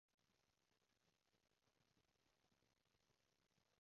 有冇聽過呢個粵語字幕工具